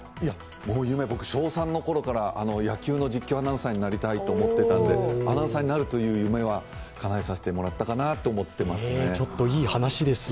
夢、僕小３のころから野球の実況アナウンサーになりたいと思っていたんでアナウンサーになるという夢はかなえさせてもらったかなと思ってますね。